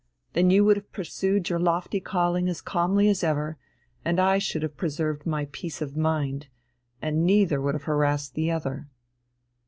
Then you would have pursued your lofty calling as calmly as ever, and I should have preserved my peace of mind, and neither would have harassed the other!"